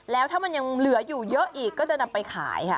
แล้วถ้ามันยังเหลืออยู่เยอะอีกก็จะนำไปขายค่ะ